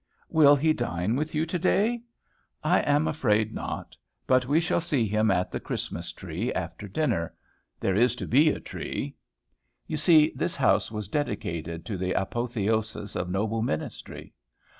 "Will he dine with you to day?" "I am afraid not; but we shall see him at the Christmas tree after dinner. There is to be a tree." You see, this house was dedicated to the Apotheosis of Noble Ministry.